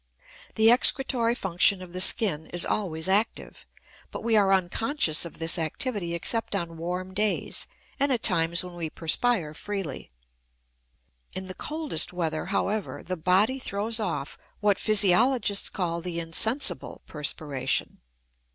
The excretory function of the skin is always active, but we are unconscious of this activity except on warm days and at times when we perspire freely. In the coldest weather, however, the body throws off what physiologists call the "insensible perspiration."